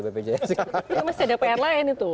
tapi masih ada pr lain itu